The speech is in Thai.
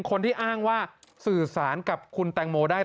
คนที่อ้างว่าสื่อสารกับคุณแตงโมได้